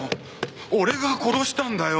俺が殺したんだよ！